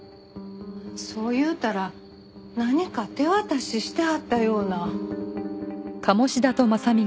そう言うたら何か手渡ししてはったような。